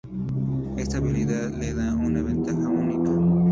Esta habilidad le da una ventaja única.